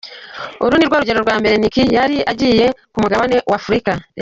Uru ni rwo rugendo rwa mbere Nikki yari agiriye ku mugabane wa Afurika.